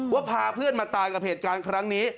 ว่าพาเพื่อนมาตายกับเหตุการณ์ครั้งนี้